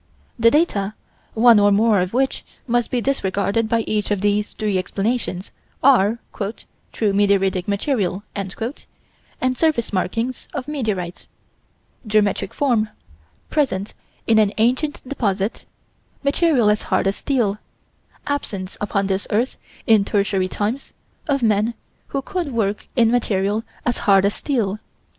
The data, one or more of which must be disregarded by each of these three explanations, are: "true meteoritic material" and surface markings of meteorites; geometric form; presence in an ancient deposit; material as hard as steel; absence upon this earth, in Tertiary times, of men who could work in material as hard as steel.